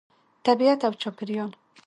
طبیعت او چاپیریال